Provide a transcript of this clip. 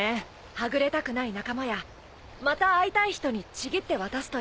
はぐれたくない仲間やまた会いたい人にちぎって渡すといい。